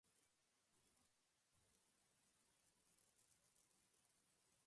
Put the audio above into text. He is buried in the Salt Lake City Cemetery.